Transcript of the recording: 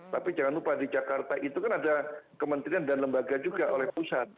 tapi jangan lupa di jakarta itu kan ada kementerian dan lembaga juga oleh pusat